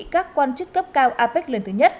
các quan chức cấp cao apec lần thứ nhất